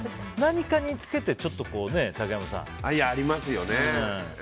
何かにつけてちょっとね竹山さん。ありますよね。